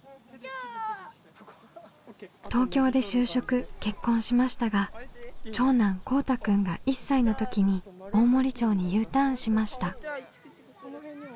東京で就職結婚しましたが長男こうたくんが１歳の時に大森町にＵターンしました。